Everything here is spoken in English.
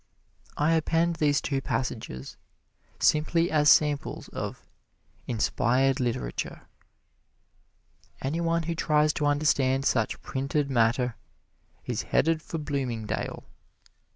I append these two passages simply as samples of "inspired literature." Any one who tries to understand such printed matter is headed for Bloomingdale.